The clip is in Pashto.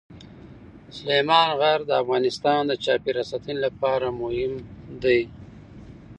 سلیمان غر د افغانستان د چاپیریال ساتنې لپاره مهم دي.